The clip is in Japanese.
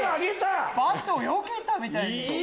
バットをよけたみたいに！